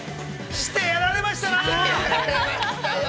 ◆してやられましたよ。